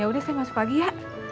ya udah saya masuk pagi ya